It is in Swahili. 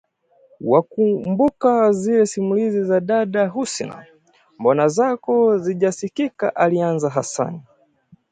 Wakumbuka zile simulizi za dada Husna, mbona zako zijazisikia alianza Hassan